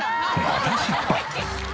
また失敗。